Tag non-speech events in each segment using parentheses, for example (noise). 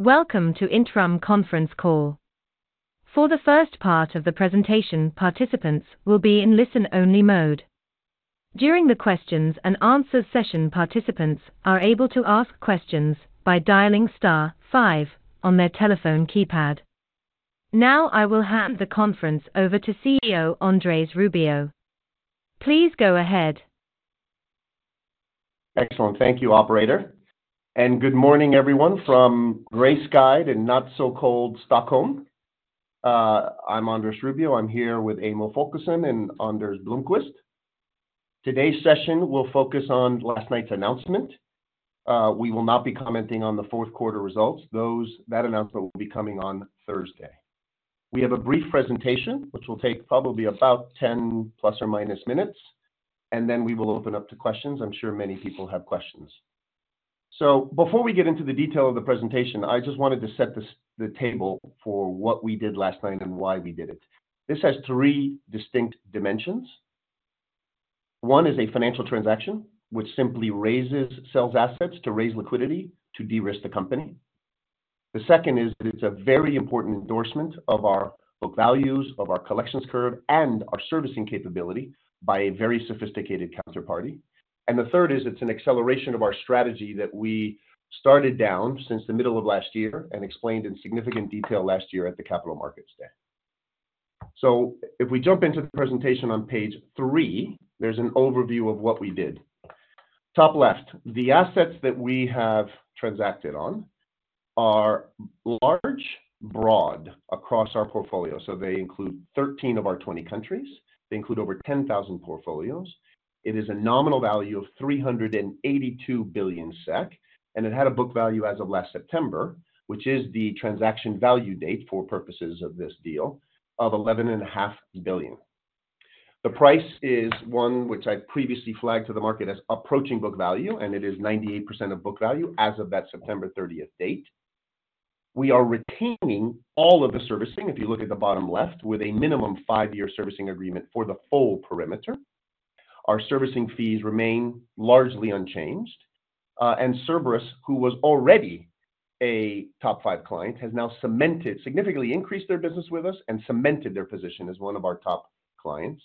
Welcome to Intrum conference call. For the first part of the presentation, participants will be in listen-only mode. During the questions and answers session, participants are able to ask questions by dialing star five on their telephone keypad. Now, I will hand the conference over to CEO Andrés Rubio. Please go ahead. Excellent. Thank you, operator. Good morning, everyone, from gray-skied and not-so-cold Stockholm. I'm Andrés Rubio. I'm here with Emil Folkesson and Anders Blomqvist. Today's session will focus on last night's announcement. We will not be commenting on the fourth quarter results. That announcement will be coming on Thursday. We have a brief presentation, which will take probably about 10+ or minus minutes, and then we will open up to questions. I'm sure many people have questions. Before we get into the detail of the presentation, I just wanted to set the table for what we did last night and why we did it. This has three distinct dimensions. One is a financial transaction, which simply raises sales assets to raise liquidity to de-risk the company. The second is that it's a very important endorsement of our book values, of our collections curve, and our servicing capability by a very sophisticated counterparty. The third is, it's an acceleration of our strategy that we started down since the middle of last year and explained in significant detail last year at the Capital Markets Day. If we jump into the presentation on page three, there's an overview of what we did. Top left, the assets that we have transacted on are large, broad across our portfolio. They include 13 of our 20 countries. They include over 10,000 portfolios. It is a nominal value of 382 billion SEK, and it had a book value as of last September, which is the transaction value date for purposes of this deal, of 11.5 billion. The price is one which I previously flagged to the market as approaching book value, and it is 98% of book value as of that September 30th date. We are retaining all of the servicing, if you look at the bottom left, with a minimum five-year servicing agreement for the full perimeter. Our servicing fees remain largely unchanged. Cerberus, who was already a top five client, has now cemented significantly increased their business with us and cemented their position as one of our top clients.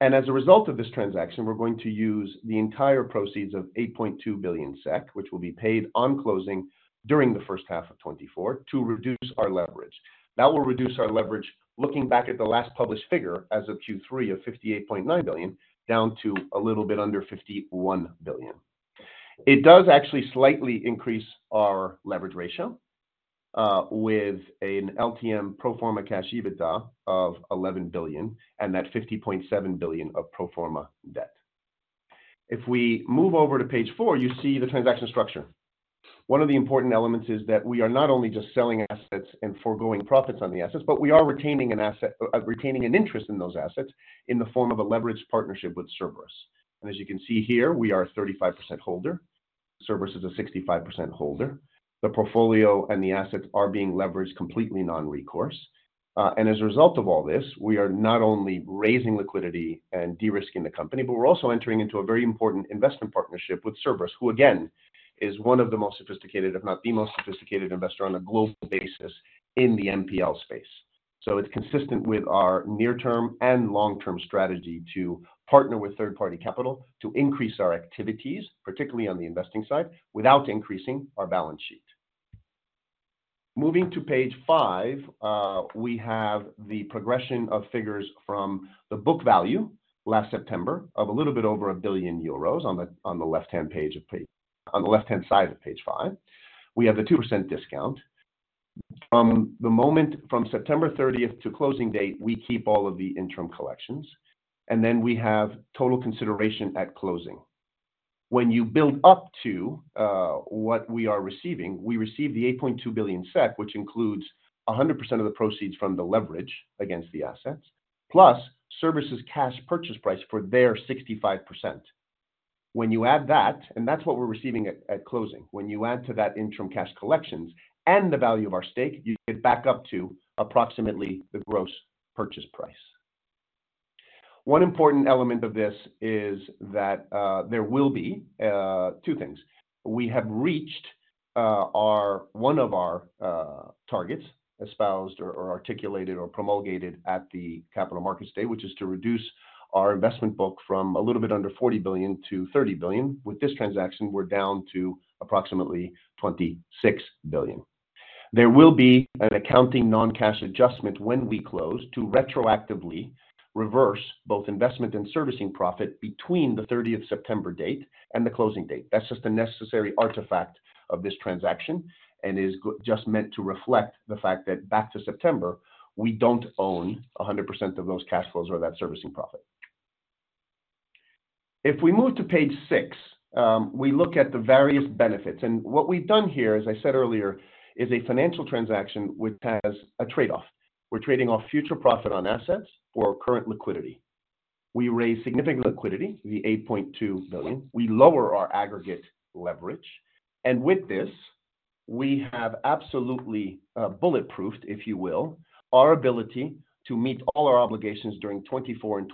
As a result of this transaction, we're going to use the entire proceeds of 8.2 billion SEK, which will be paid on closing during the first half of 2024, to reduce our leverage. That will reduce our leverage, looking back at the last published figure as of Q3 of 58.9 billion, down to a little bit under 51 billion. It does actually slightly increase our leverage ratio, with an LTM pro forma cash EBITDA of 11 billion and that 50.7 billion of pro forma debt. If we move over to page four, you see the transaction structure. One of the important elements is that we are not only just selling assets and foregoing profits on the assets, but we are retaining an asset, retaining an interest in those assets in the form of a leveraged partnership with Cerberus. As you can see here, we are a 35% holder. Cerberus is a 65% holder. The portfolio and the assets are being leveraged completely non-recourse. As a result of all this, we are not only raising liquidity and de-risking the company, but we're also entering into a very important investment partnership with Cerberus, who, again, is one of the most sophisticated, if not the most sophisticated investor on a global basis in the NPL space. It's consistent with our near-term and long-term strategy to partner with third-party capital to increase our activities, particularly on the investing side, without increasing our balance sheet. Moving to page five, we have the progression of figures from the book value last September of a little bit over a billion euro on the left-hand side of page five. We have a 2% discount. From September 30th to closing date, we keep all of the interim collections, and then we have total consideration at closing. When you build up to what we are receiving, we receive 8.2 billion SEK, which includes 100% of the proceeds from the leverage against the assets, plus services cash purchase price for their 65%. When you add that, and that's what we're receiving at closing. When you add to that interim cash collections and the value of our stake, you get back up to approximately the gross purchase price. One important element of this is that there will be two things. We have reached one of our targets, espoused or articulated or promulgated at the Capital Markets Day, which is to reduce our investment book from a little bit under 40 billion to 30 billion. With this transaction, we're down to approximately 26 billion. There will be an accounting non-cash adjustment when we close to retroactively reverse both investment and servicing profit between the 30th September date and the closing date. That's just a necessary artifact of this transaction and is just meant to reflect the fact that back to September, we don't own 100% of those cash flows or that servicing profit. If we move to page six, we look at the various benefits, and what we've done here, as I said earlier, is a financial transaction, which has a trade-off. We're trading off future profit on assets for current liquidity. We raise significant liquidity, the 8.2 billion. We lower our aggregate leverage, and with this, we have absolutely bulletproofed, if you will, our ability to meet all our obligations during 2024 and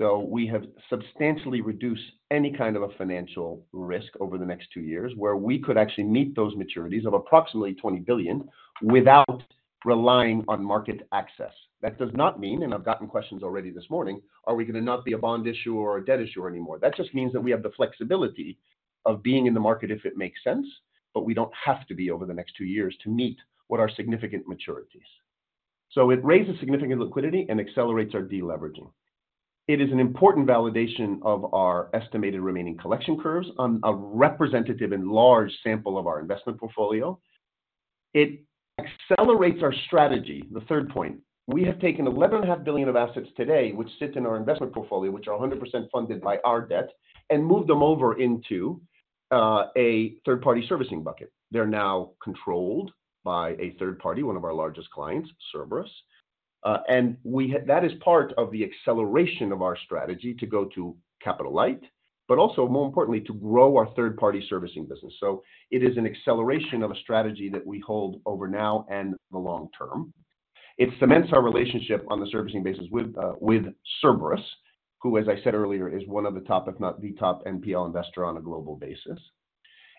2025. We have substantially reduced any kind of a financial risk over the next two years, where we could actually meet those maturities of approximately 20 billion without relying on market access. That does not mean, and I've gotten questions already this morning, are we gonna not be a bond issuer or a debt issuer anymore. That just means that we have the flexibility of being in the market if it makes sense, but we don't have to be over the next two years to meet what are significant maturities. It raises significant liquidity and accelerates our deleveraging. It is an important validation of our estimated remaining collection curves on a representative and large sample of our investment portfolio. It accelerates our strategy. The third point, we have taken 11.5 billion of assets today, which sit in our investment portfolio, which are 100% funded by our debt, and moved them over into a third-party servicing bucket. They're now controlled by a third party, one of our largest clients, Cerberus. That is part of the acceleration of our strategy to go to capital light, but also more importantly, to grow our third-party servicing business. It is an acceleration of a strategy that we hold over now and the long term. It cements our relationship on the servicing basis with Cerberus, who, as I said earlier, is one of the top, if not the top NPL investor on a global basis.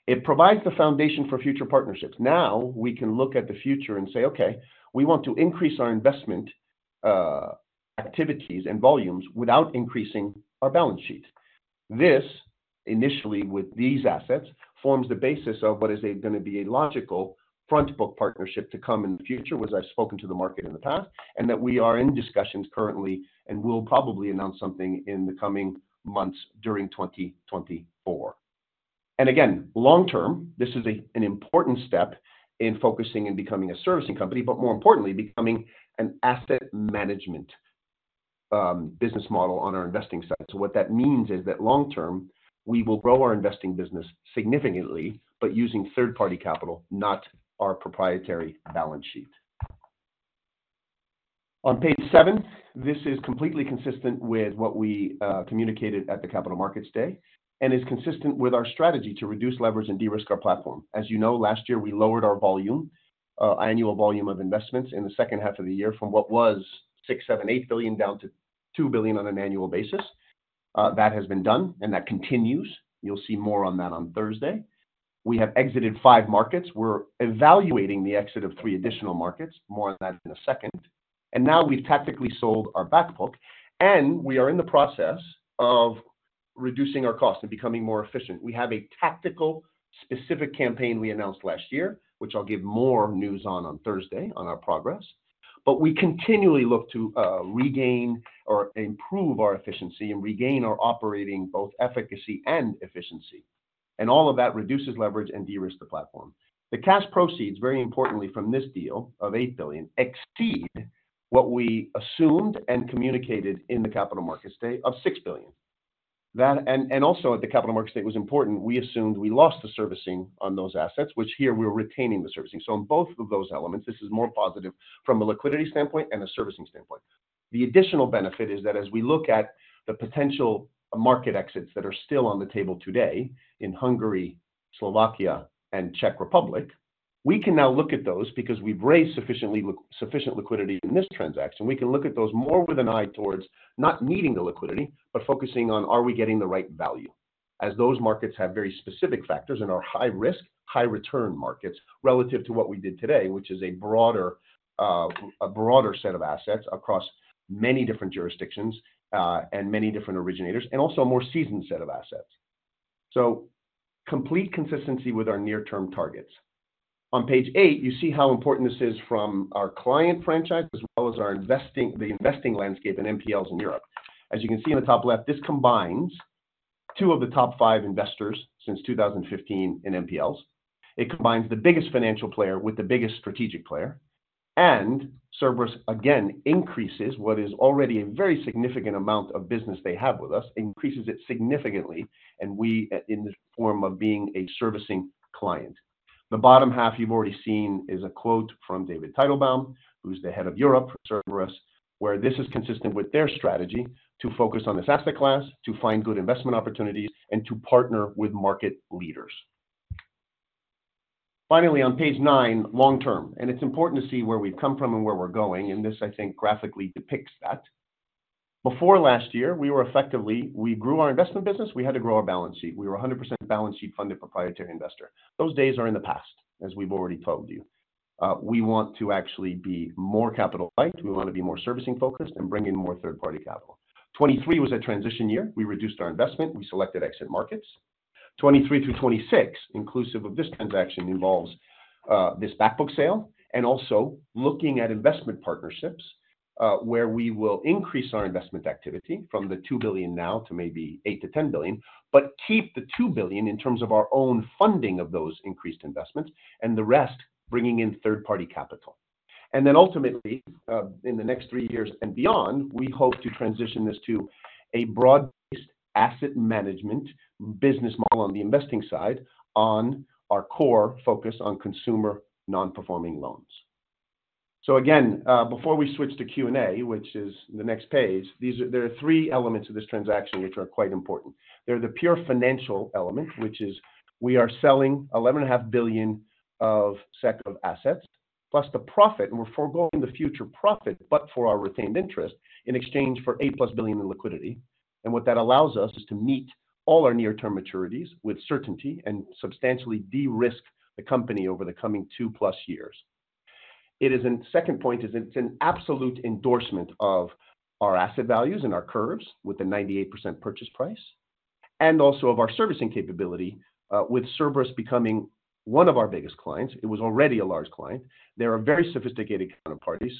It provides the foundation for future partnerships. Now, we can look at the future and say, "Okay, we want to increase our investment activities and volumes without increasing our balance sheet." This, initially with these assets, forms the basis of what is gonna be a logical front book partnership to come in the future, which I've spoken to the market in the past, and that we are in discussions currently and will probably announce something in the coming months during 2024. Again, long term, this is an important step in focusing and becoming a servicing company, but more importantly, becoming an asset management business model on our investing side. What that means is that long term, we will grow our investing business significantly, but using third-party capital, not our proprietary balance sheet. On page seven, this is completely consistent with what we communicated at the Capital Markets Day and is consistent with our strategy to reduce leverage and de-risk our platform. As you know, last year we lowered our volume annual volume of investments in the second half of the year from what was 6, 7, 8 billion down to 2 billion on an annual basis. That has been done, and that continues. You'll see more on that on Thursday. We have exited five markets. We're evaluating the exit of three additional markets. More on that in a second. Now we've tactically sold our back book, and we are in the process of reducing our costs and becoming more efficient. We have a tactical specific campaign we announced last year, which I'll give more news on, on Thursday, on our progress, but we continually look to regain or improve our efficiency and regain our operating, both efficacy and efficiency. And all of that reduces leverage and de-risks the platform. The cash proceeds, very importantly, from this deal of 8 billion, exceed what we assumed and communicated in the Capital Markets Day of 6 billion. That and also at the Capital Markets Day, it was important we assumed we lost the servicing on those assets, which here we're retaining the servicing. So in both of those elements, this is more positive from a liquidity standpoint and a servicing standpoint. The additional benefit is that as we look at the potential market exits that are still on the table today in Hungary, Slovakia, and Czech Republic, we can now look at those because we've raised sufficient liquidity in this transaction. We can look at those more with an eye towards not needing the liquidity, but focusing on are we getting the right value? As those markets have very specific factors and are high risk, high return markets relative to what we did today, which is a broader, a broader set of assets across many different jurisdictions, and many different originators, and also a more seasoned set of assets. Complete consistency with our near-term targets. On page eight, you see how important this is from our client franchise, as well as the investing landscape and NPLs in Europe. As you can see in the top left, this combines two of the top five investors since 2015 in NPLs. It combines the biggest financial player with the biggest strategic player, and Cerberus, again, increases what is already a very significant amount of business they have with us, increases it significantly, and we, in the form of being a servicing client. The bottom half you've already seen is a quote from David Teitelbaum, who's the head of Europe for Cerberus, where this is consistent with their strategy to focus on this asset class, to find good investment opportunities, and to partner with market leaders. Finally, on page nine, long term, and it's important to see where we've come from and where we're going, and this, I think, graphically depicts that. Before last year, we were effectively we grew our investment business, we had to grow our balance sheet. We were 100% balance sheet funded proprietary investor. Those days are in the past, as we've already told you. We want to actually be more capital light, we want to be more servicing-focused and bring in more third-party capital. 2023 was a transition year. We reduced our investment, we selected exit markets. 2023 through 2026, inclusive of this transaction, involves this back book sale and also looking at investment partnerships, where we will increase our investment activity from the 2 billion now to maybe 8 billion-10 billion, but keep the 2 billion in terms of our own funding of those increased investments and the rest bringing in third-party capital. Then ultimately, in the next three years and beyond, we hope to transition this to a broad-based asset management business model on the investing side, on our core focus on consumer non-performing loans. Again, before we switch to Q&A, which is the next page, these are three elements of this transaction which are quite important. There are the pure financial element, which is we are selling 11.5 billion of set of assets, plus the profit, and we're foregoing the future profit, but for our retained interest in exchange for 8+ billion in liquidity. And what that allows us is to meet all our near-term maturities with certainty and substantially de-risk the company over the coming two plus years. Second point is, it's an absolute endorsement of our asset values and our curves with a 98% purchase price, and also of our servicing capability, with Cerberus becoming one of our biggest clients. It was already a large client. They're a very sophisticated counterparty,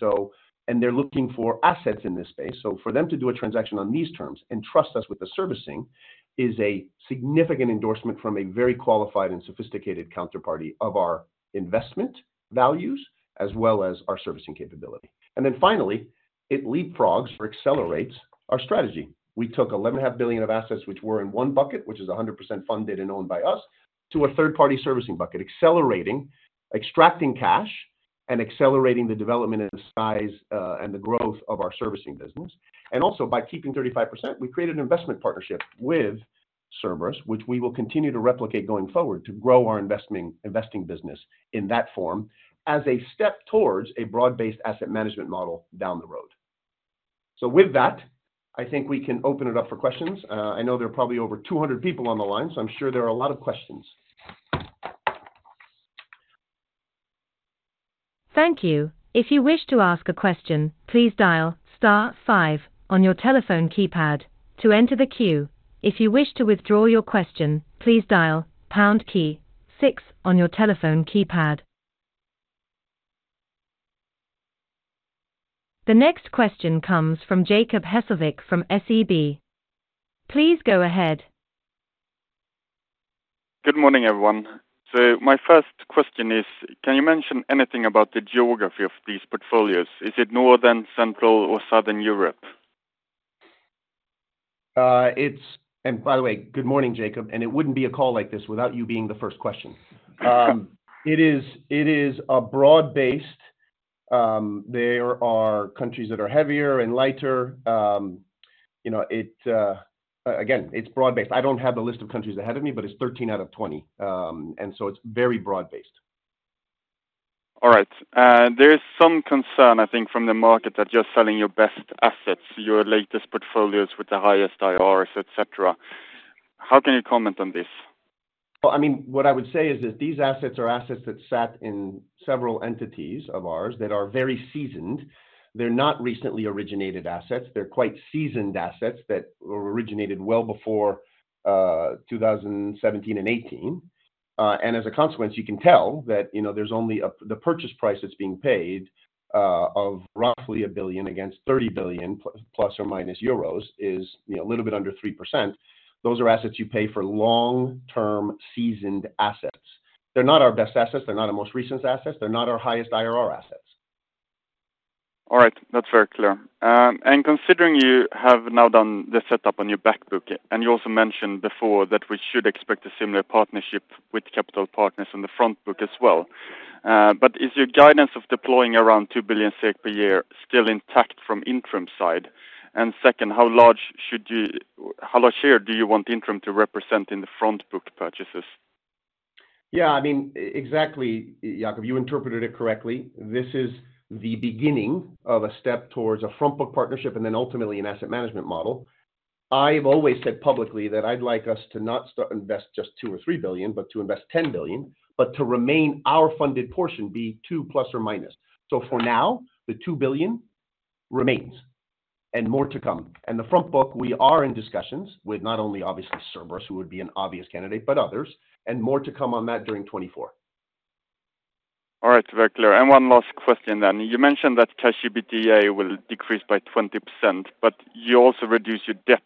and they're looking for assets in this space. For them to do a transaction on these terms and trust us with the servicing, is a significant endorsement from a very qualified and sophisticated counterparty of our investment values, as well as our servicing capability. Then finally, it leapfrogs or accelerates our strategy. We took 11.5 billion of assets, which were in one bucket, which is 100% funded and owned by us, to a third-party servicing bucket, accelerating, extracting cash, and accelerating the development of the size and the growth of our servicing business. Also by keeping 35%, we created an investment partnership with Cerberus, which we will continue to replicate going forward to grow our investing, investing business in that form as a step towards a broad-based asset management model down the road. With that, I think we can open it up for questions. I know there are probably over 200 people on the line, so I'm sure there are a lot of questions. Thank you. If you wish to ask a question, please dial star five on your telephone keypad to enter the queue. If you wish to withdraw your question, please dial pound key six on your telephone keypad. The next question comes from Jacob Hesslevik from SEB. Please go ahead. Good morning, everyone. My first question is, can you mention anything about the geography of these portfolios? Is it Northern, Central, or Southern Europe? It's. By the way, good morning, Jacob, and it wouldn't be a call like this without you being the first question. It is, it is a broad-based, there are countries that are heavier and lighter, it, again, it's broad-based. I don't have the list of countries ahead of me, but it's 13 out of 20, and so it's very broad-based. All right. There is some concern, I think, from the market, that you're selling your best assets, your latest portfolios with the highest IRRs, et cetera. How can you comment on this? What I would say is that these assets are assets that sat in several entities of ours that are very seasoned. They're not recently originated assets; they're quite seasoned assets that were originated well before 2017 and 2018. As a consequence, you can tell that, you know, there's only the purchase price that's being paid of roughly 1 billion against 30 billion ± euros, is, you know, a little bit under 3%. Those are assets you pay for long-term seasoned assets. They're not our best assets, they're not our most recent assets, they're not our highest IRR assets. All right. That's very clear. Considering you have now done the setup on your back book, and you also mentioned before that we should expect a similar partnership with Capital Partners on the front book as well. But is your guidance of deploying around 2 billion SEK per year still intact from Intrum side? Second, how large share do you want Intrum to represent in the front book purchases? Exactly, Jacob, you interpreted it correctly. This is the beginning of a step towards a front book partnership and then ultimately an asset management model. I've always said publicly that I'd like us to not start invest just 2 or 3 billion, but to invest 10 billion, but to remain our funded portion be two plus or minus. For now, the 2 billion remains, and more to come. The front book, we are in discussions with not only obviously Cerberus, who would be an obvious candidate, but others, and more to come on that during 2024. All right, very clear. One last question then. You mentioned that cash EBITDA will decrease by 20%, but you also reduce your debt,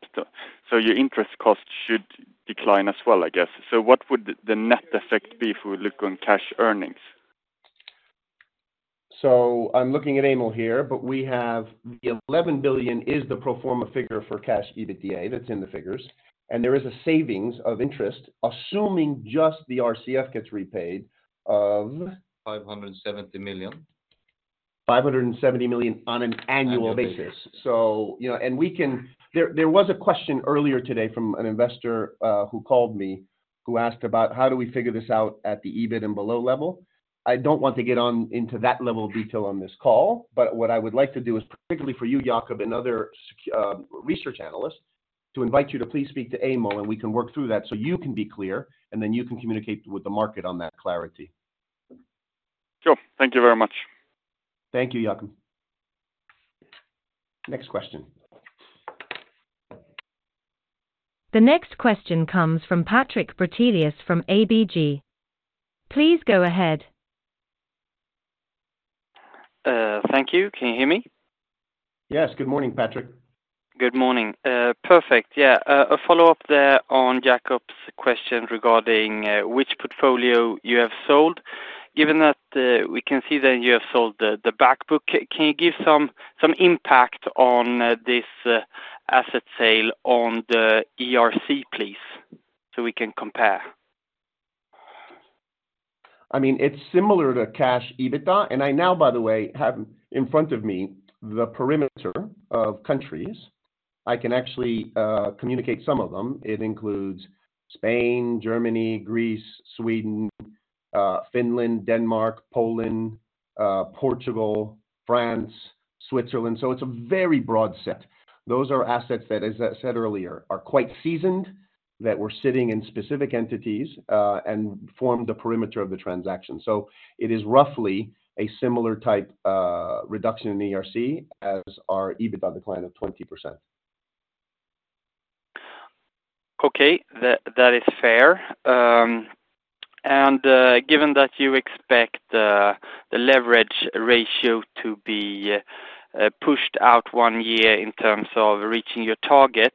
so your interest costs should decline as well, I guess. What would the net effect be if we look on cash earnings? I'm looking at Emil here, but we have the 11 billion is the pro forma figure for cash EBITDA, that's in the figures. And there is a savings of interest, assuming just the RCF gets repaid of. 570 million. 570 million on an annual basis. Annual basis. There was a question earlier today from an investor who called me, who asked about how do we figure this out at the EBIT and below level? I don't want to get on into that level of detail on this call, but what I would like to do is, particularly for you, Jacob, and other research analysts, to invite you to please speak to Emil, and we can work through that so you can be clear, and then you can communicate with the market on that clarity. Sure. Thank you very much. Thank you, Jacob. Next question. The next question comes from Patrik Brattelius from ABG. Please go ahead. Thank you. Can you hear me? Yes. Good morning, Patrik. Good morning. Perfect. A follow-up there on Jacob's question regarding which portfolio you have sold. Given that, we can see that you have sold the back book, can you give some impact on this asset sale on the ERC, please, so we can compare? It's similar to cash EBITDA, and I now, by the way, have in front of me the perimeter of countries. I can actually communicate some of them. It includes Spain, Germany, Greece, Sweden, Finland, Denmark, Poland, Portugal, France, Switzerland. It's a very broad set. Those are assets that, as I said earlier, are quite seasoned, that were sitting in specific entities, and form the perimeter of the transaction. It is roughly a similar type reduction in ERC as our EBITDA decline of 20%. Okay, that, that is fair. Given that you expect the leverage ratio to be pushed out one year in terms of reaching your target,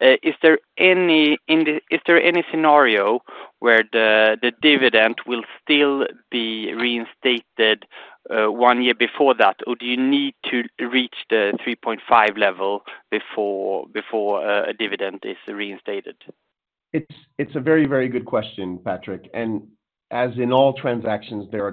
is there any scenario where the dividend will still be reinstated one year before that? Or do you need to reach the 3.5 level before a dividend is reinstated? It's a very, very good question, Patrik, and as in all transactions, there are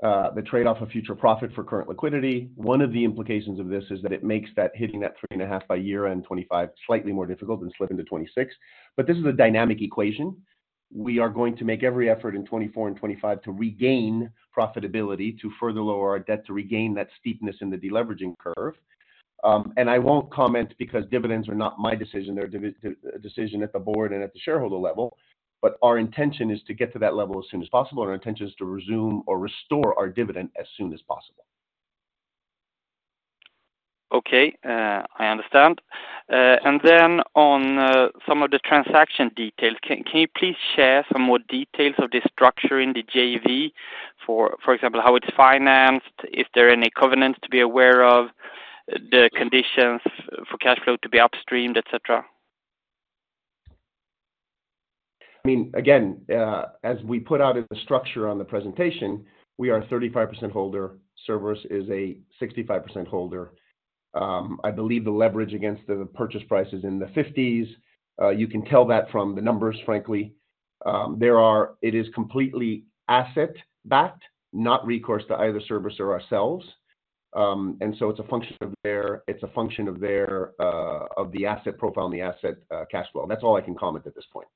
trade-offs. The trade-off of future profit for current liquidity. One of the implications of this is that it makes that hitting that 3.5 by year-end 2025 slightly more difficult and slip into 2026. But this is a dynamic equation. We are going to make every effort in 2024 and 2025 to regain profitability, to further lower our debt, to regain that steepness in the deleveraging curve. I won't comment because dividends are not my decision, they're a decision at the board and at the shareholder level, but our intention is to get to that level as soon as possible, and our intention is to resume or restore our dividend as soon as possible. Okay. I understand. Then on some of the transaction details, can you please share some more details of the structure in the JV? For example, how it's financed, if there are any covenants to be aware of, the conditions for cash flow to be upstreamed, et cetera. Again, as we put out in the structure on the presentation, we are a 35% holder. Cerberus is a 65% holder. I believe the leverage against the purchase price is in the 50s. You can tell that from the numbers, frankly. It is completely asset-backed, not recourse to either Cerberus or ourselves. It's a function of their, of the asset profile and the asset, cash flow. That's all I can comment at this point.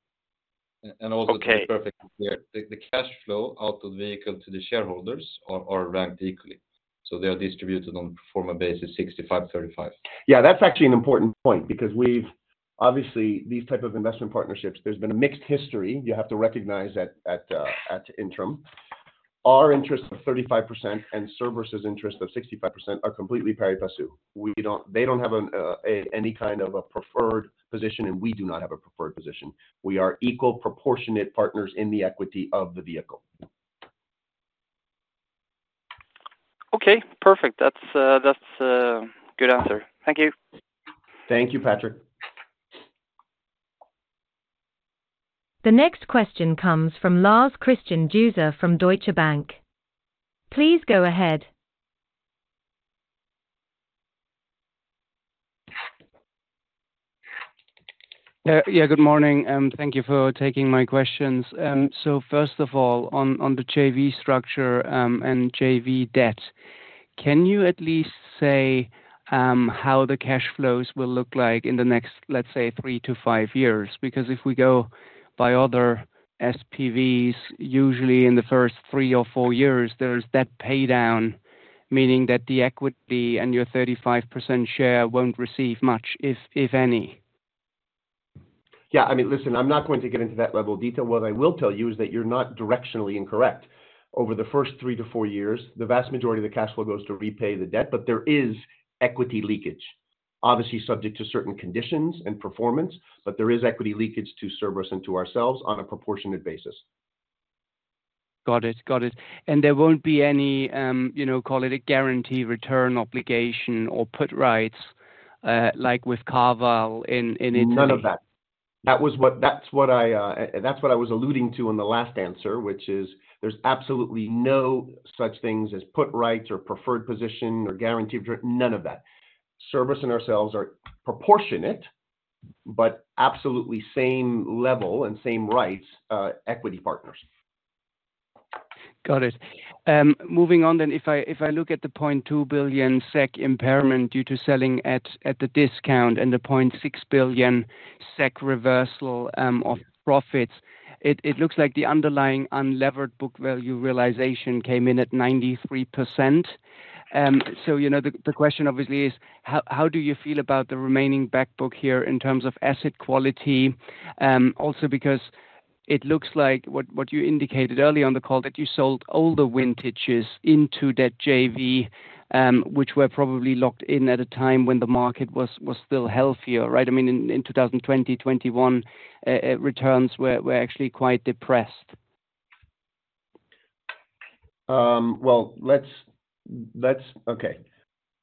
Okay. (crosstalk) perfect. The cash flow out of the vehicle to the shareholders are ranked equally. So they are distributed on a pro forma basis, 65-35. That's actually an important point because we've obviously these type of investment partnerships, there's been a mixed history. You have to recognize that at Intrum. Our interest of 35% and Cerberus's interest of 65% are completely pari passu. We don't. They don't have any kind of preferred position, and we do not have a preferred position. We are equal proportionate partners in the equity of the vehicle. Okay, perfect. That's, that's a good answer. Thank you. Thank you, Patrik. The next question comes from Lars Christian Dueser from Deutsche Bank. Please go ahead. Good morning, thank you for taking my questions. First of all, on the JV structure and JV debt, can you at least say how the cash flows will look like in the next, let's say, three-five years? Because if we go by other SPVs, usually in the first three or four years, there's debt paydown, meaning that the equity and your 35% share won't receive much, if any? Listen, I'm not going to get into that level of detail. What I will tell you is that you're not directionally incorrect. Over the first three-four years, the vast majority of the cash flow goes to repay the debt, but there is equity leakage. Obviously, subject to certain conditions and performance, but there is equity leakage to Cerberus and to ourselves on a proportionate basis. Got it. Got it. There won't be any, you know, call it a guarantee return obligation or put rights, like with CarVal in. None of that. That was what. That's what I, that's what I was alluding to in the last answer, which is there's absolutely no such things as put rights or preferred position or guaranteed return, none of that. Cerberus and ourselves are proportionate, but absolutely same level and same rights, equity partners. Got it. Moving on then. If I look at the 0.2 billion SEK impairment due to selling at the discount and the 0.6 billion SEK reversal of profits, it looks like the underlying unlevered book value realization came in at 93%. The question obviously is: How do you feel about the remaining back book here in terms of asset quality? Also because it looks like what you indicated earlier on the call, that you sold all the vintages into that JV, which were probably locked in at a time when the market was still healthier, right? In 2020, 2021, returns were actually quite depressed. Okay.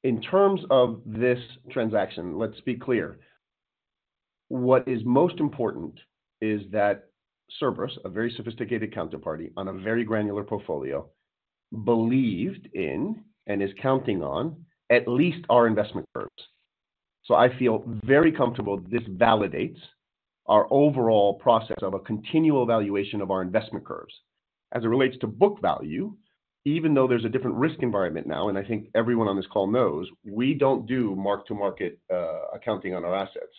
In terms of this transaction, let's be clear. What is most important is that Cerberus, a very sophisticated counterparty on a very granular portfolio, believed in and is counting on at least our investment firms. I feel very comfortable this validates our overall process of a continual evaluation of our investment curves. As it relates to book value, even though there's a different risk environment now, and I think everyone on this call knows, we don't do mark-to-market accounting on our assets.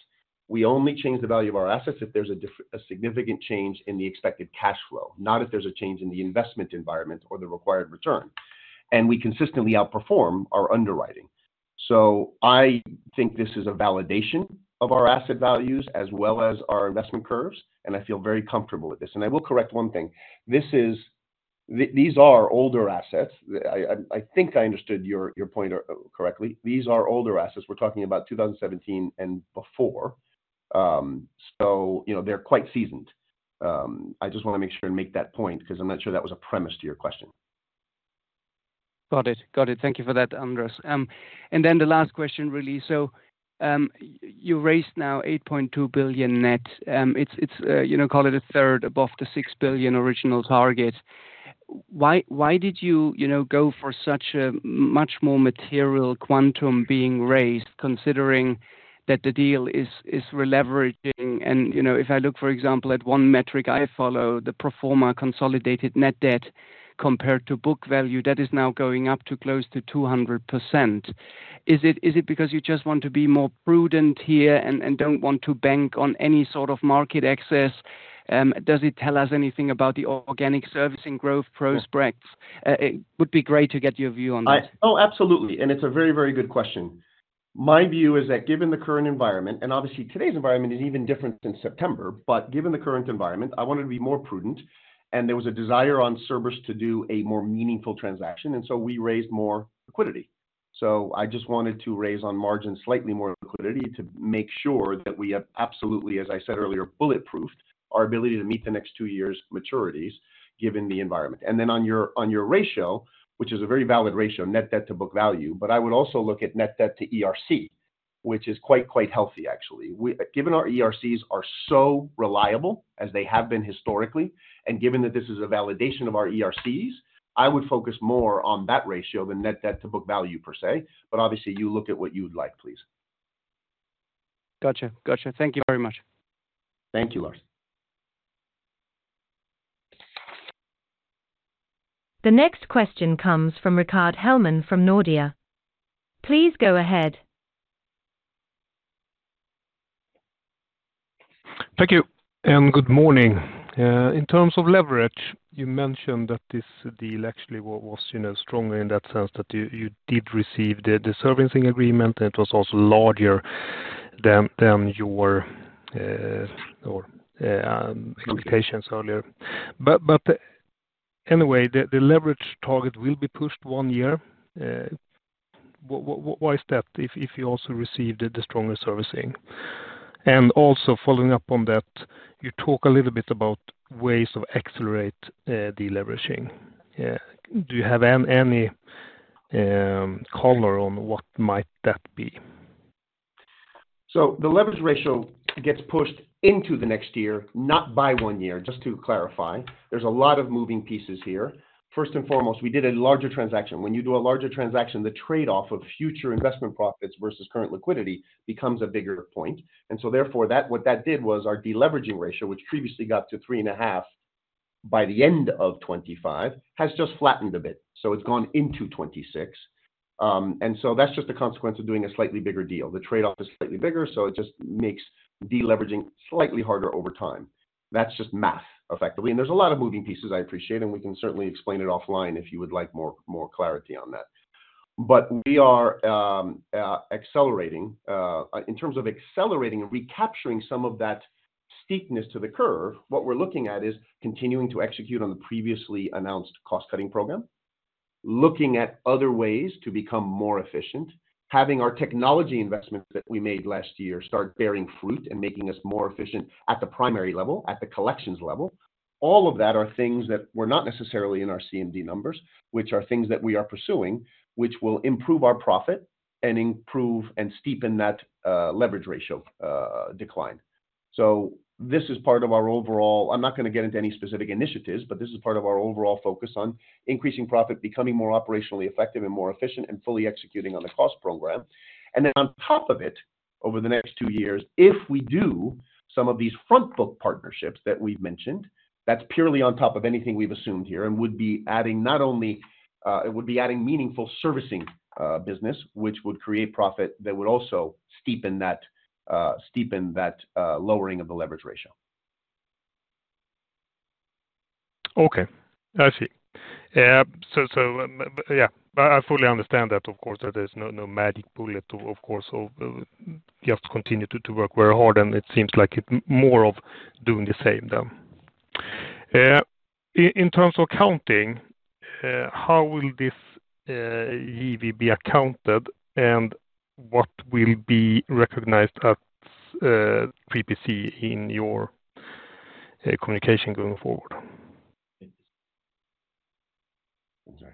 We only change the value of our assets if there's a significant change in the expected cash flow, not if there's a change in the investment environment or the required return. We consistently outperform our underwriting. I think this is a validation of our asset values as well as our investment curves, and I feel very comfortable with this. I will correct one thing. This is, these are older assets. I think I understood your point correctly. These are older assets. We're talking about 2017 and before. They're quite seasoned. I just wanna make sure and make that point because I'm not sure that was a premise to your question. Got it. Got it. Thank you for that, Andrés. Then the last question, really. So, you raised now 8.2 billion net. It's, you know, call it a third above the 6 billion original target. Why did you, you know, go for such a much more material quantum being raised, considering that the deal is releveraging? If I look, for example, at one metric I follow, the pro forma consolidated net debt compared to book value, that is now going up to close to 200%. Is it because you just want to be more prudent here and don't want to bank on any sort of market access? Does it tell us anything about the organic servicing growth prospects? It would be great to get your view on that. Absolutely, and it's a very, very good question. My view is that given the current environment, and obviously today's environment is even different than September, but given the current environment, I wanted to be more prudent, and there was a desire on Cerberus to do a more meaningful transaction, and so we raised more liquidity. I just wanted to raise on margin slightly more liquidity to make sure that we have absolutely, as I said earlier, bulletproof our ability to meet the next two years' maturities, given the environment. Then on your, on your ratio, which is a very valid ratio, net debt to book value, but I would also look at net debt to ERC, which is quite, quite healthy, actually. Given our ERCs are so reliable, as they have been historically, and given that this is a validation of our ERCs, I would focus more on that ratio than net debt to book value per se. Obviously, you look at what you'd like, please. Gotcha. Gotcha. Thank you very much. Thank you, Lars. The next question comes from Rickard Hellman from Nordea. Please go ahead. Thank you, and good morning. In terms of leverage, you mentioned that this deal actually was, you know, stronger in that sense, that you did receive the servicing agreement, and it was also larger than your communications earlier. But anyway, the leverage target will be pushed one year. Why is that, if you also received the stronger servicing? Also following up on that, you talk a little bit about ways to accelerate deleveraging. Do you have any color on what might that be? The leverage ratio gets pushed into the next year, not by one year, just to clarify. There's a lot of moving pieces here. First and foremost, we did a larger transaction. When you do a larger transaction, the trade-off of future investment profits versus current liquidity becomes a bigger point. Therefore, that, what that did was our deleveraging ratio, which previously got to 3.5 by the end of 2025, has just flattened a bit. It's gone into 2026. That's just a consequence of doing a slightly bigger deal. The trade-off is slightly bigger, so it just makes deleveraging slightly harder over time. That's just math, effectively. There's a lot of moving pieces I appreciate, and we can certainly explain it offline if you would like more, more clarity on that. We are accelerating. In terms of accelerating and recapturing some of that steepness to the curve, what we're looking at is continuing to execute on the previously announced cost-cutting program, looking at other ways to become more efficient, having our technology investments that we made last year start bearing fruit and making us more efficient at the primary level, at the collections level. All of that are things that were not necessarily in our C and D numbers, which are things that we are pursuing, which will improve our profit and improve and steepen that leverage ratio decline. This is part of our overall. I'm not gonna get into any specific initiatives, but this is part of our overall focus on increasing profit, becoming more operationally effective and more efficient, and fully executing on the cost program. Then on top of it, over the next two years, if we do some of these front-book partnerships that we've mentioned, that's purely on top of anything we've assumed here and would be adding not only it would be adding meaningful servicing business, which would create profit that would also steepen that lowering of the leverage ratio. Okay. I see. I fully understand that, of course, there's no magic bullet, of course, so we'll just continue to work very hard, and it seems like it's more of doing the same than. In terms of accounting, how will this EV be accounted, and what will be recognized at 3PC in your communication going forward? I'm sorry.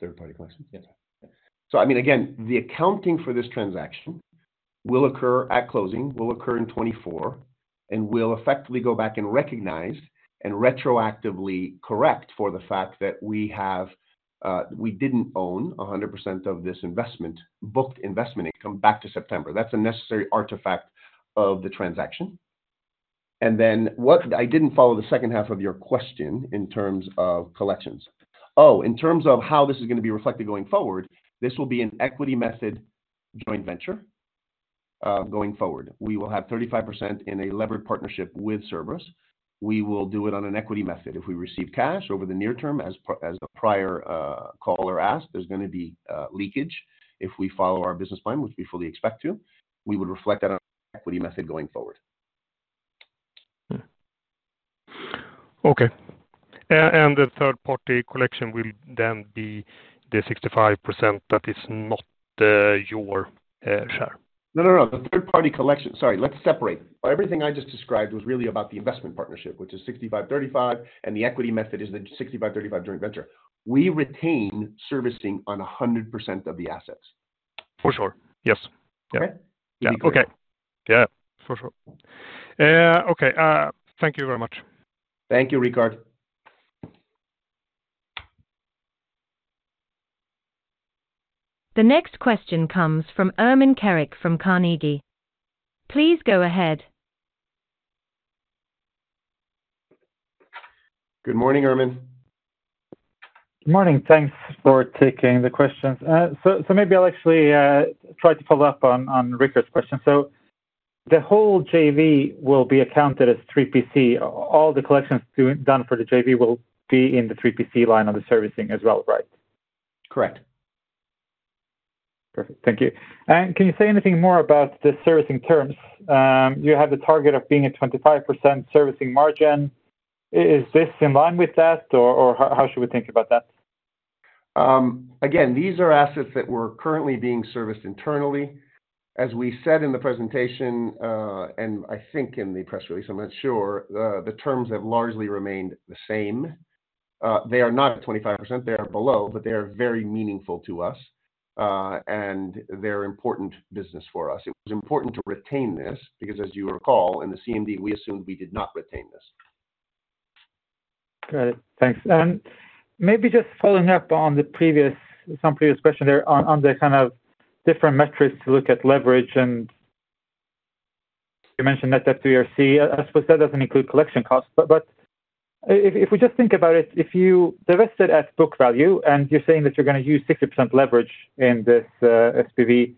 Third-party questions? Yes. Again, the accounting for this transaction will occur at closing, will occur in 2024, and will effectively go back and recognize and retroactively correct for the fact that we have, we didn't own 100% of this investment, booked investment income back to September. That's a necessary artifact of the transaction. Then I didn't follow the second half of your question in terms of collections. In terms of how this is gonna be reflected going forward, this will be an equity method joint venture, going forward. We will have 35% in a levered partnership with Cerberus. We will do it on an equity method. If we receive cash over the near term, as a prior caller asked, there's gonna be leakage if we follow our business plan, which we fully expect to. We would reflect that on equity method going forward. Okay. The third-party collection will then be the 65% that is not your share? No, no, no. The third-party collection, sorry, let's separate. Everything I just described was really about the investment partnership, which is 65%-35%, and the equity method is the 65%-35% joint venture. We retain servicing on 100% of the assets. For sure. Yes. Okay? Okay. For sure. Okay, thank you very much. Thank you, Rickard. The next question comes from Ermin Keric from Carnegie. Please go ahead. Good morning, Ermin. Good morning. Thanks for taking the questions. Maybe I'll actually try to follow up on Rickard's question. The whole JV will be accounted as 3PC. All the collections done for the JV will be in the 3PC line of the servicing as well, right? Correct. Perfect. Thank you. Can you say anything more about the servicing terms? You have the target of being at 25% servicing margin. Is this in line with that, or how should we think about that? Again, these are assets that were currently being serviced internally. As we said in the presentation, and I think in the press release, I'm not sure, the terms have largely remained the same. They are not at 25%, they are below, but they are very meaningful to us, and they're important business for us. It was important to retain this because, as you recall, in the CMD, we assumed we did not retain this. Got it. Thanks. Maybe just following up on some previous question there on the kind of different metrics to look at leverage, and you mentioned net debt to ERC. I suppose that doesn't include collection costs, but if, if we just think about it, if you divested at book value, and you're saying that you're gonna use 60% leverage in this SPV.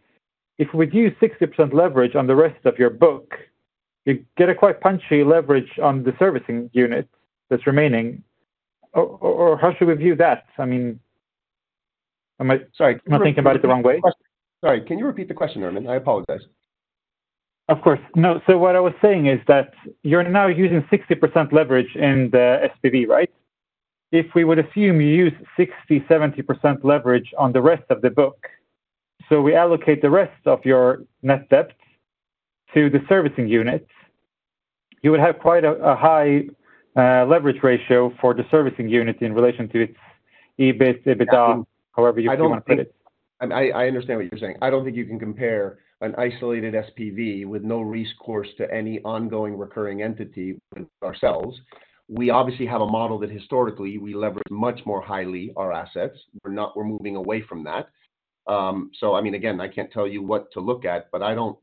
If we use 60% leverage on the rest of your book, you get a quite punchy leverage on the servicing unit that's remaining. Or how should we view that? Am I ,sorry, I'm thinking about it the wrong way. Sorry, can you repeat the question, Ermin? I apologize. Of course. No, so what I was saying is that you're now using 60% leverage in the SPV, right? If we would assume you use 60%-70% leverage on the rest of the book, so we allocate the rest of your net debt to the servicing unit, you would have quite a high leverage ratio for the servicing unit in relation to its EBIT, EBITDA, however you want to put it. I don't think. I understand what you're saying. I don't think you can compare an isolated SPV with no recourse to any ongoing recurring entity ourselves. We obviously have a model that historically we lever much more highly our assets. We're moving away from that. Again, I can't tell you what to look at, but I don't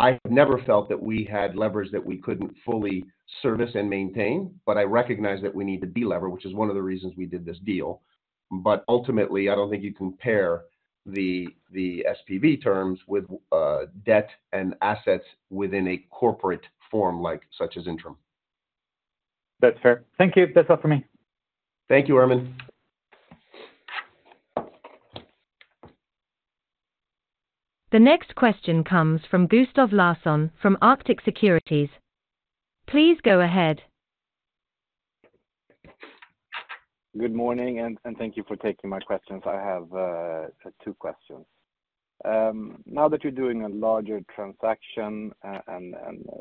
I have never felt that we had levers that we couldn't fully service and maintain, but I recognize that we need to delever, which is one of the reasons we did this deal. Ultimately, I don't think you compare the SPV terms with debt and assets within a corporate form like such as Intrum. That's fair. Thank you. That's all for me. Thank you, Ermin. The next question comes from Gustav Larsson from Arctic Securities. Please go ahead. Good morning, and thank you for taking my questions. I have two questions. Now that you're doing a larger transaction, and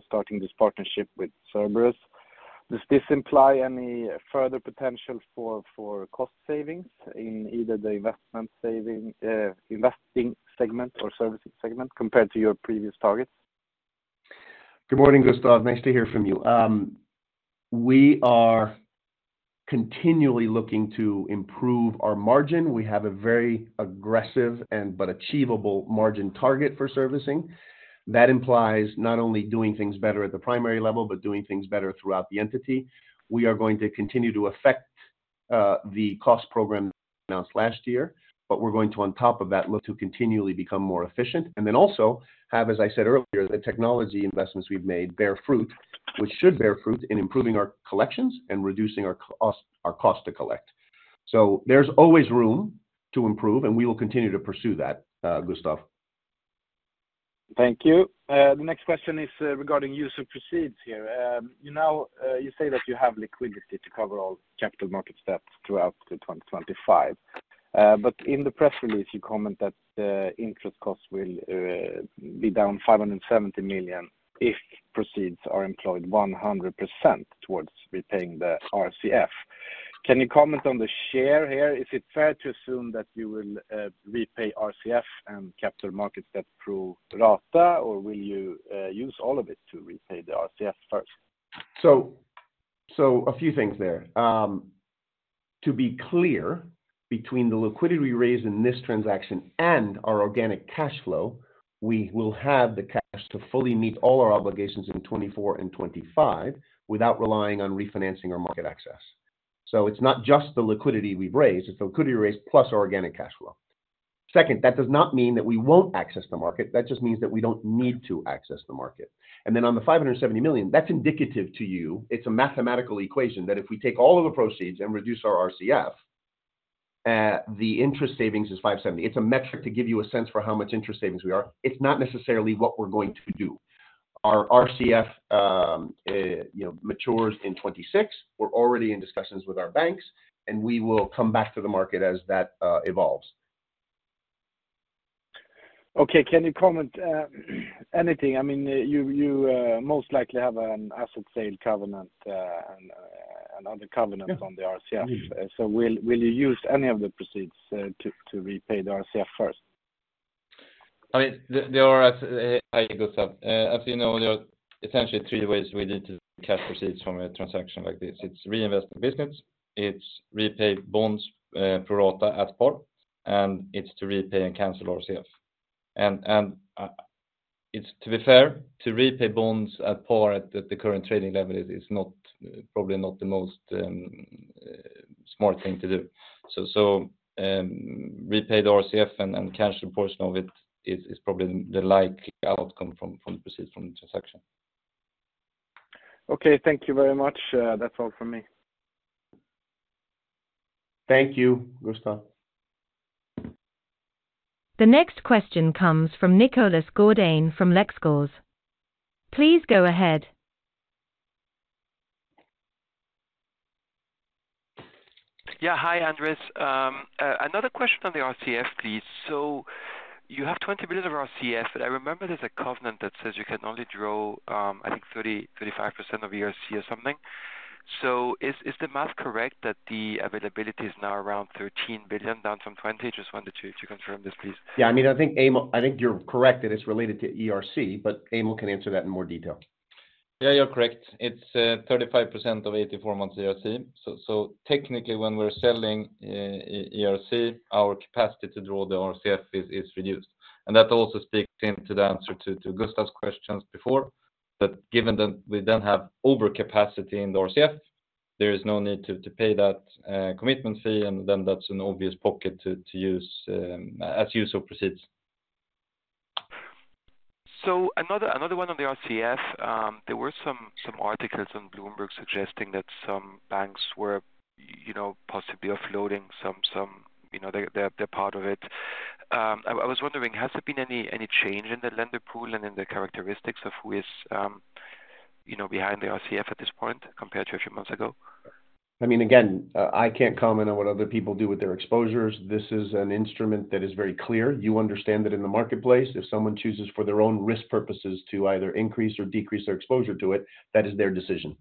starting this partnership with Cerberus, does this imply any further potential for cost savings in either the investment saving, investing segment or servicing segment compared to your previous targets? Good morning, Gustav, nice to hear from you. We are continually looking to improve our margin. We have a very aggressive and, but achievable margin target for servicing. That implies not only doing things better at the primary level, but doing things better throughout the entity. We are going to continue to affect the cost program announced last year, but we're going to, on top of that, look to continually become more efficient and then also have, as I said earlier, the technology investments we've made bear fruit, which should bear fruit in improving our collections and reducing our cost, our cost to collect. There's always room to improve, and we will continue to pursue that, Gustav. Thank you. The next question is regarding use of proceeds here. You say that you have liquidity to cover all capital market debts throughout 2025. But in the press release, you comment that interest costs will be down 570 million if proceeds are employed 100% towards repaying the RCF. Can you comment on the share here? Is it fair to assume that you will repay RCF and capital market debt pro rata, or will you use all of it to repay the RCF first? A few things there. To be clear, between the liquidity we raised in this transaction and our organic cash flow, we will have the cash to fully meet all our obligations in 2024 and 2025 without relying on refinancing our market access. It's not just the liquidity we've raised, it's the liquidity raised plus our organic cash flow. Second, that does not mean that we won't access the market. That just means that we don't need to access the market. Then on the 570 million, that's indicative to you. It's a mathematical equation that if we take all of the proceeds and reduce our RCF, the interest savings is 570. It's a metric to give you a sense for how much interest savings we are. It's not necessarily what we're going to do. Our RCF, matures in 2026. We're already in discussions with our banks, and we will come back to the market as that evolves. Okay. Can you comment, anything? I mean, you most likely have an asset sale covenant, and other covenants on the RCF. Will you use any of the proceeds to repay the RCF first? There are essentially three ways we need to cash proceeds from a transaction like this. It's reinvest in business, it's repay bonds pro rata at par, and it's to repay and cancel RCF. And it's to be fair, to repay bonds at par at the current trading level is not probably not the most smart thing to do. Repay the RCF and cash the portion of it is probably the likely outcome from the proceeds from the transaction. Okay, thank you very much. That's all from me. Thank you, Gustav. The next question comes from Nicolas Gourdain from Lexcor. Please go ahead. Hi, Andrés. Another question on the RCF, please. So you have 20 billion of RCF, but I remember there's a covenant that says you can only draw, I think 30%-35% of your ERC or something. Is the math correct, that the availability is now around 13 billion, down from 20 billion? Just wanted to confirm this, please. I think you're correct that it's related to ERC, but Emil can answer that in more detail. Yeah, you're correct. It's 35% of 84 months ERC. Technically, when we're selling ERC, our capacity to draw the RCF is reduced. That also sticks into the answer to Gustav's questions before, that given that we then have overcapacity in the RCF, there is no need to pay that commitment fee, and then that's an obvious pocket to use as usual proceeds. Another one on the RCF. There were some articles on Bloomberg suggesting that some banks were, you know, possibly offloading some, you know, their part of it. I was wondering, has there been any change in the lender pool and in the characteristics of who is, you know, behind the RCF at this point compared to a few months ago? Again, I can't comment on what other people do with their exposures. This is an instrument that is very clear. You understand that in the marketplace, if someone chooses for their own risk purposes to either increase or decrease their exposure to it, that is their decision.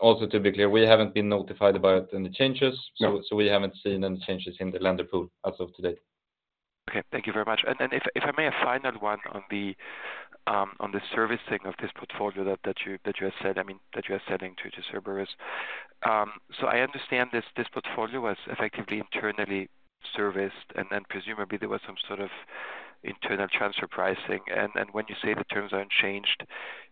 Also to be clear, we haven't been notified about any changes. No. We haven't seen any changes in the lender pool as of today. Okay. Thank you very much. Then if, if I may, a final one on the, on the servicing of this portfolio that, that you, that you have said, I mean, that you are selling to, to Cerberus. I understand this, this portfolio was effectively internally serviced, and then presumably there was some sort of internal transfer pricing. And, and when you say the terms are unchanged,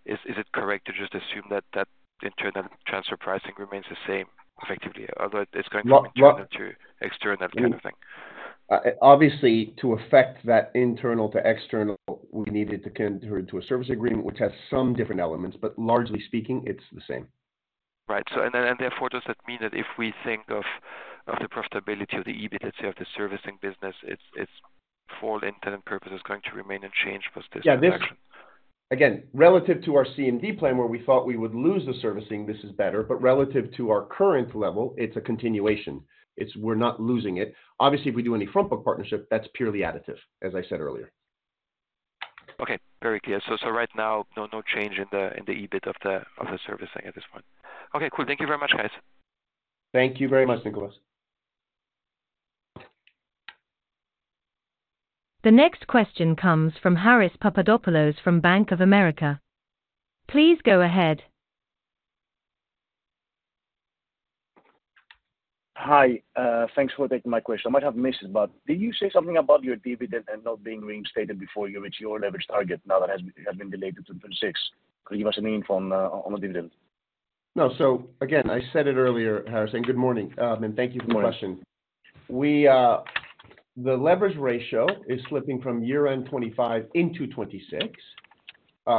is, is it correct to just assume that that internal transfer pricing remains the same effectively, although it's going from internal to external kind of thing? Obviously, to affect that internal to external, we needed to enter into a service agreement which has some different elements, but largely speaking, it's the same. Right. Then, and therefore, does that mean that if we think of the profitability of the EBIT itself, the servicing business, it's for all intents and purposes going to remain unchanged plus this transaction? This. Again, relative to our C and D plan, where we thought we would lose the servicing, this is better, but relative to our current level, it's a continuation. It's we're not losing it. Obviously, if we do any front book partnership, that's purely additive, as I said earlier. Okay. Very clear. So right now, no change in the EBIT of the, of the servicing at this point. Okay, cool. Thank you very much, guys. Thank you very much, Nicolas. The next question comes from Haris Papadopoulos from Bank of America. Please go ahead. Hi, thanks for taking my question. I might have missed it, but did you say something about your dividend and not being reinstated before you reach your leverage target now that has been delayed to 2026? Could you give us an info on the dividend? No. Again, I said it earlier, Haris, and good morning, and thank you for the question. We, the leverage ratio is slipping from year-end 2025 into 2026.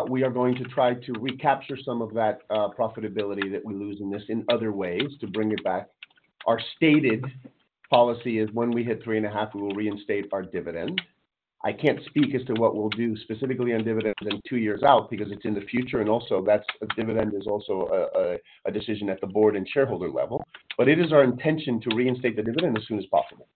We are going to try to recapture some of that profitability that we lose in this in other ways to bring it back. Our stated policy is when we hit 3.5, we will reinstate our dividend. I can't speak as to what we'll do specifically on dividends in two years out, because it's in the future, and also that's a dividend is also a decision at the board and shareholder level. But it is our intention to reinstate the dividend as soon as possible.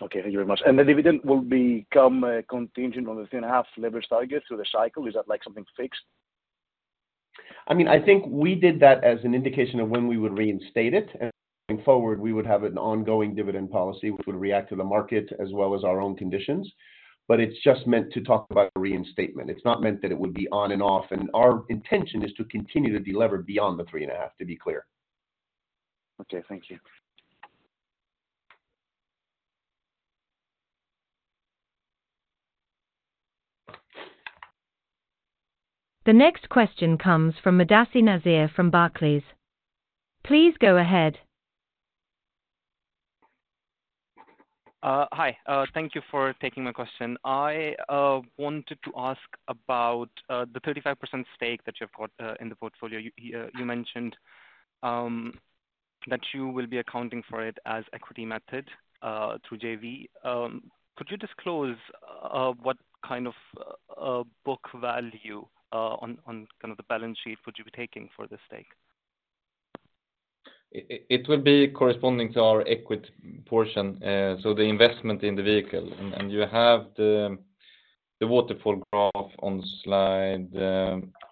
Okay, thank you very much. The dividend will become contingent on the 3.5 leverage target through the cycle? Is that like something fixed? I think we did that as an indication of when we would reinstate it, and forward, we would have an ongoing dividend policy, which would react to the market as well as our own conditions. It's just meant to talk about reinstatement. It's not meant that it would be on and off, and our intention is to continue to delever beyond the 3.5, to be clear. Okay, thank you. The next question comes from Mudassir Nazir from Barclays. Please go ahead. Hi. Thank you for taking my question. I wanted to ask about the 35% stake that you've got in the portfolio. You, you mentioned that you will be accounting for it as equity method through JV. Could you disclose what kind of book value on the balance sheet would you be taking for this stake? It will be corresponding to our equity portion, so the investment in the vehicle. You have the waterfall graph on slide.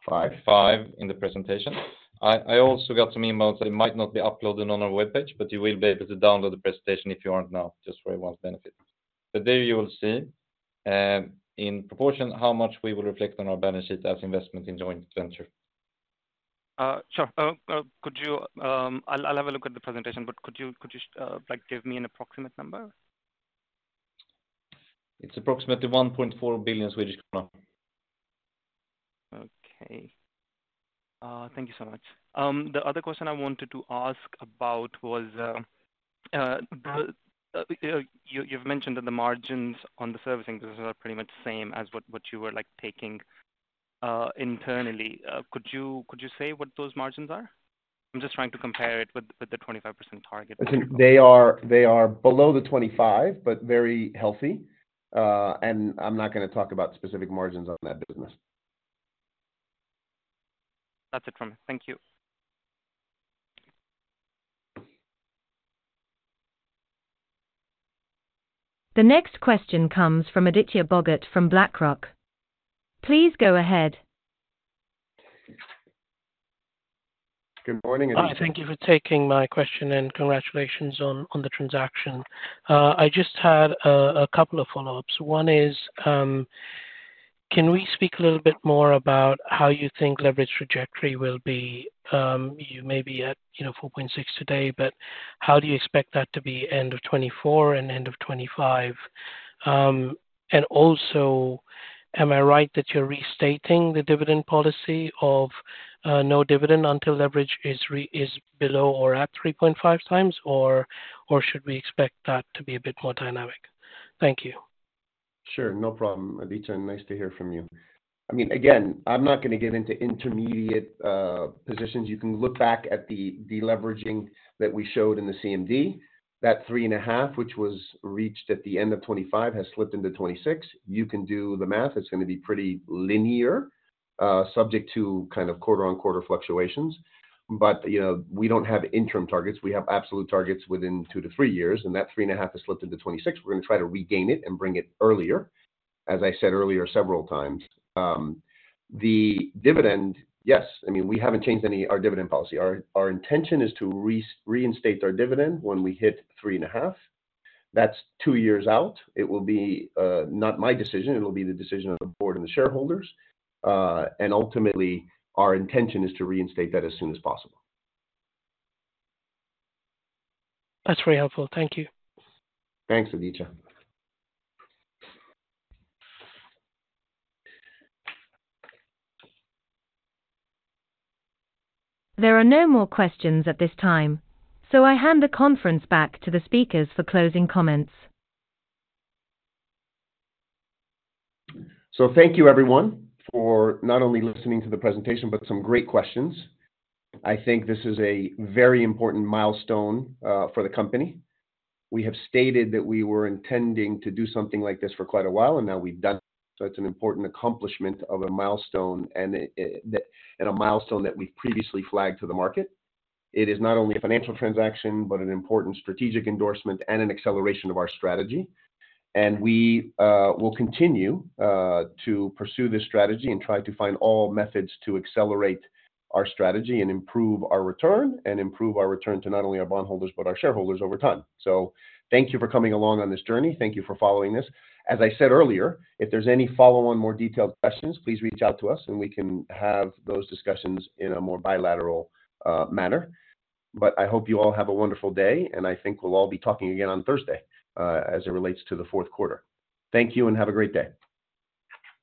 Five? Five, in the presentation. I, I also got some emails that it might not be uploaded on our webpage, but you will be able to download the presentation if you aren't now, just for everyone's benefit. There you will see, in proportion, how much we will reflect on our balance sheet as investment in joint venture. Sure. Could you, I'll have a look at the presentation, but could you like give me an approximate number? It's approximately 1.4 billion Swedish krona. Okay. Thank you so much. The other question I wanted to ask about was, you've mentioned that the margins on the servicing business are pretty much the same as what, what you were, like, taking internally. Could you, could you say what those margins are? I'm just trying to compare it with, with the 25% target. They are, they are below the 25%, but very healthy. I'm not gonna talk about specific margins on that business. That's it from me. Thank you. The next question comes from Aditya Bogat from BlackRock. Please go ahead. Good morning, Aditya. Thank you for taking my question, and congratulations on the transaction. I just had a couple of follow-ups. One is, can we speak a little bit more about how you think leverage trajectory will be? You may be at, you know, 4.6 today, but how do you expect that to be end of 2024 and end of 2025? Also, am I right that you're restating the dividend policy of no dividend until leverage is below or at 3.5x, or should we expect that to be a bit more dynamic? Thank you. Sure. No problem, Aditya, nice to hear from you. Again, I'm not gonna get into intermediate positions. You can look back at the deleveraging that we showed in the CMD. That 3.5, which was reached at the end of 2025, has slipped into 2026. You can do the math. It's gonna be pretty linear, subject to kind of quarter-on-quarter fluctuations, but, we don't have interim targets. We have absolute targets within two-three years, and that 3.5 has slipped into 2026. We're gonna try to regain it and bring it earlier, as I said earlier several times. The dividend, yes, we haven't changed any our dividend policy. Our, our intention is to re-reinstate our dividend when we hit 3.5. That's two years out. It will be not my decision, it will be the decision of the board and the shareholders. Ultimately, our intention is to reinstate that as soon as possible. That's very helpful. Thank you. Thanks, Aditya. There are no more questions at this time, so I hand the conference back to the speakers for closing comments. Thank you, everyone, for not only listening to the presentation, but some great questions. I think this is a very important milestone for the company. We have stated that we were intending to do something like this for quite a while, and now we've done it. It's an important accomplishment of a milestone, and a milestone that we've previously flagged to the market. It is not only a financial transaction, but an important strategic endorsement and an acceleration of our strategy. We will continue to pursue this strategy and try to find all methods to accelerate our strategy and improve our return, and improve our return to not only our bondholders but our shareholders over time. Thank you for coming along on this journey. Thank you for following this. As I said earlier, if there's any follow-on, more detailed questions, please reach out to us, and we can have those discussions in a more bilateral manner. I hope you all have a wonderful day, and I think we'll all be talking again on Thursday, as it relates to the fourth quarter. Thank you, and have a great day!